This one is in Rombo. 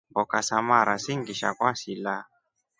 Mboka sa mara singisha kwasila.